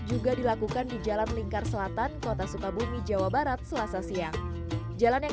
juga dilakukan di jalan lingkar selatan kota sukabumi jawa barat selasa siang jalan yang